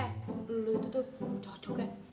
eh lo itu tuh cocoknya